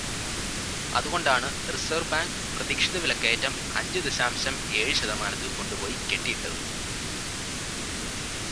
അതുകൊണ്ടാണ് reserve bank പ്രതീക്ഷിത വിലക്കയറ്റം അഞ്ച് ദശാംശം ഏഴ് ശതമാനത്തിൽ കൊണ്ടുപോയി കെട്ടിയിട്ടത്.